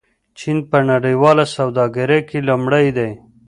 چین په نړیواله سوداګرۍ کې لومړی دی.